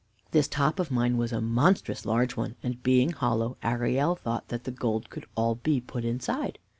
"This top of mine was a monstrous large one, and being hollow, Arielle thought that the gold could all be put inside.